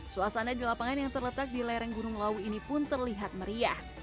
suasana di lapangan yang terletak di lereng gunung lawu ini pun terlihat meriah